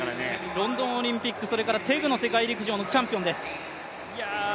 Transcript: ロンドンオリンピック、そしてテグの世陸陸上のチャンピオンです。